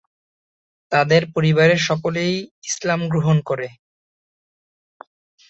তাদের পরিবারের সকলেই ইসলাম গ্রহণ করে।